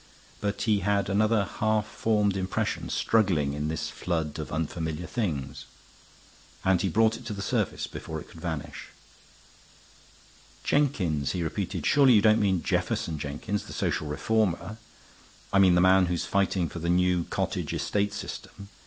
But he had another half formed impression struggling in this flood of unfamiliar things, and he brought it to the surface before it could vanish. "Jenkins," he repeated. "Surely you don't mean Jefferson Jenkins, the social reformer? I mean the man who's fighting for the new cottage estate scheme.